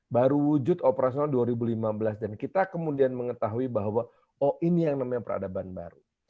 baru wujud operasional dua ribu lima belas dan kita kemudian mengetahui bahwa oh ini yang namanya peradaban baru